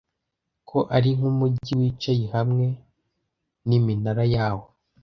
ko ari nkumujyi wicaye hamwe niminara yawo